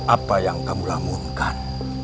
apa yang kamu lamunkan